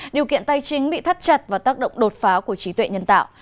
điều kiện tài chính bị thắt chặt và tác động đột phá của trí tuệ nhân tạo